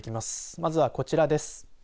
まずはこちらです。